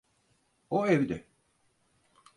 O evde.